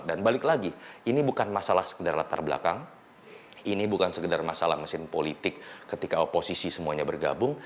dan balik lagi ini bukan masalah sekedar latar belakang ini bukan sekedar masalah mesin politik ketika oposisi semuanya bergabung